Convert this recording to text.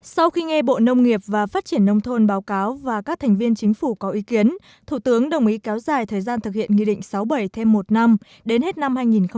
sau khi nghe bộ nông nghiệp và phát triển nông thôn báo cáo và các thành viên chính phủ có ý kiến thủ tướng đồng ý kéo dài thời gian thực hiện nghị định sáu bảy thêm một năm đến hết năm hai nghìn hai mươi